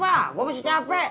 saya masih capek